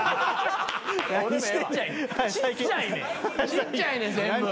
ちっちゃいねん全部。